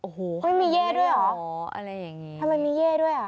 โอ้โฮไม่มีเย่ด้วยหรอทำไมมีเย่ด้วย